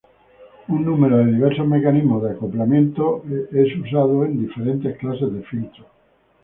Un número de diversos mecanismos de acoplamiento son usados en diferentes clases de filtro.